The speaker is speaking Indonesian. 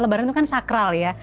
lebaran itu kan sakral ya